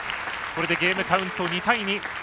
これでゲームカウント、２対２。